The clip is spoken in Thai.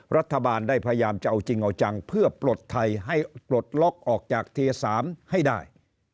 รัฐบาลได้พยายามจะเอาจริงเอาจังเพื่อปลดไทยให้ปลดล็อกออกจากเทีย๓ให้ได้